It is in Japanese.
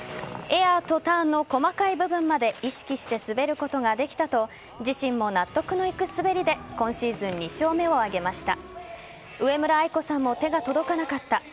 エアとターンの細かい部分まで意識して滑ることができたと自身も納得のいく滑りで今シーズン２勝目を挙げました。